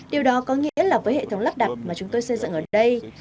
điều đó có nghĩa là với hệ thống lắp đặt mà chúng tôi xây dựng ở đây